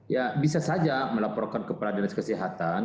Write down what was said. ya bisa saja melaporkan kepada dinas kesehatan